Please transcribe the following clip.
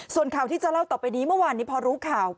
ส่วนข่าวที่จะเล่าต่อไปนี้เมื่อวานนี้พอรู้ข่าว